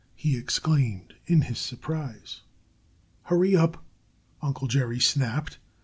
he exclaimed in his surprise. "Hurry up!" Uncle Jerry snapped.